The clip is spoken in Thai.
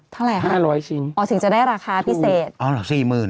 เท่าไหร่ครับอ๋อถึงจะได้ราคาพิเศษถูก